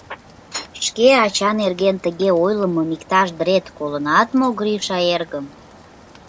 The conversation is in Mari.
Шке ача нерген тыге ойлымым иктаж дрет колынат мо, Гриша эргым?